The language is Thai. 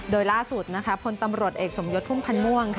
โดยล่าสุดพลตำรวจเอกสมยศพุ่มพันธ์ม่วงค่ะ